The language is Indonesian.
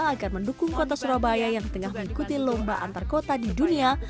agar mendukung kota surabaya yang sedang mengikuti lomba antarkota di dunia